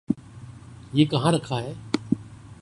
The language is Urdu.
یہ کہاں رکھا ہے؟